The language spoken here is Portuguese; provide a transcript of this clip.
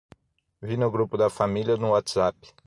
Vi no grupo da família no WhatsApp